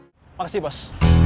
terima kasih bos